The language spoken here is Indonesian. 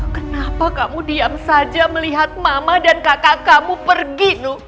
kenapa kamu diam saja melihat mama dan kakak kamu pergi